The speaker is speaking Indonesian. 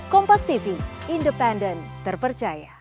kompas tv independen terpercaya